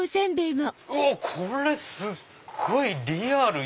これすっごいリアル！